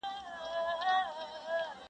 • په بل کلي کي د دې سړي یو یار وو..